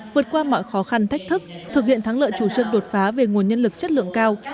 vượt qua mọi khó khăn thách thức thực hiện thắng lợi chủ trương đột phá về nguồn nhân lực chất lượng cao